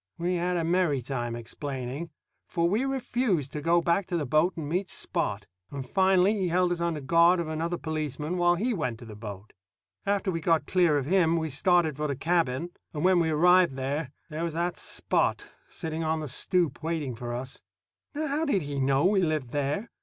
We had a merry time explaining, for we refused to go back to the boat and meet Spot; and finally he held us under guard of another policeman while he went to the boat. After we got clear of him, we started for the cabin, and when we arrived, there was that Spot sitting on the stoop waiting for us. Now how did he know we lived there?